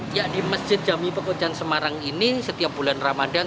ya di masjid jami pekojan semarang ini setiap bulan ramadan